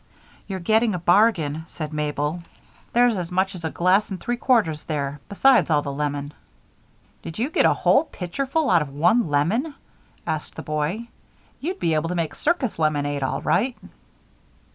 "You're getting a bargain," said Mabel. "There's as much as a glass and three quarters there, besides all the lemon." "Did you get a whole pitcherful out of one lemon?" asked the boy. "You'd be able to make circus lemonade all right."